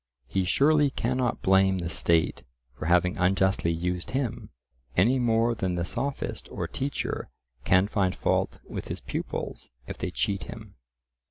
He surely cannot blame the state for having unjustly used him, any more than the sophist or teacher can find fault with his pupils if they cheat him.